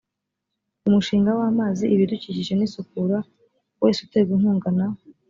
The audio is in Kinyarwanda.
umushinga w amazi ibidukikije n isukura wes uterwa inkunga na